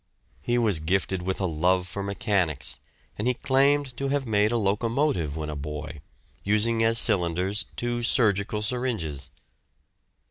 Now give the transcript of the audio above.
He was gifted with a love for mechanics, and he claimed to have made a locomotive when a boy, using as cylinders two surgical syringes.